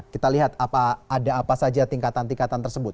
kita lihat ada apa saja tingkatan tingkatan tersebut